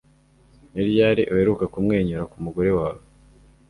Ni ryari uheruka kumwenyura ku mugore wawe